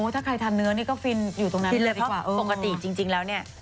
ถ้าใครทานเนื้อก็ฟินฟินเลยเพราะปกติจริงแล้วเนี่ย